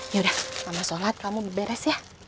yaudah kamu sholat kamu beres ya